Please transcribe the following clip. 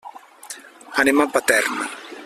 Anem a Paterna.